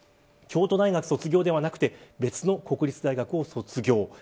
京都大学卒業ではなく別の国立大学を卒業。